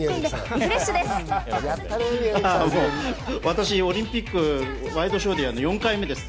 私、オリンピックをワイドショーでやるの４回目です。